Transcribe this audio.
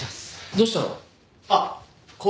どうしたの？